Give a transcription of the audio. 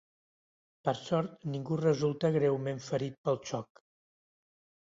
Per sort, ningú resulta greument ferit pel xoc.